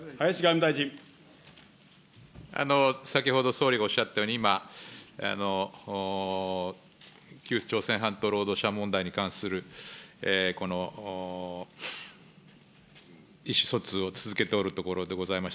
先ほど総理がおっしゃったように、今、旧朝鮮半島労働者問題に関する意思疎通を続けておるところでございます。